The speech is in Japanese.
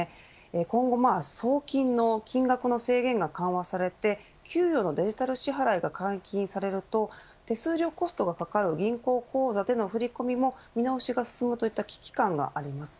今後、送金の金額の制限が緩和されて給与のデジタル支払いが解禁されると手数料コストがかかる銀行口座での振り込みも見直しが進むといった危機感があります。